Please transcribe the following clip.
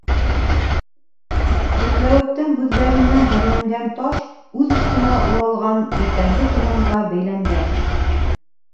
Сәтләүектең һүҙҙәренән ғәрләнгән таш үҙ өҫтөнә уралған иртәнге томанға бәйләнгән: